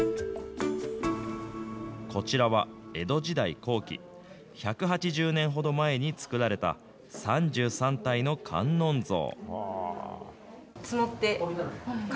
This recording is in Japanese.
こちらは、江戸時代後期、１８０年ほど前に作られた３３体の観音像。